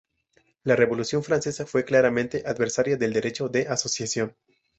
La Revolución Francesa fue claramente adversaria del derecho de asociación.